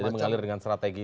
jadi mengalir dengan strategi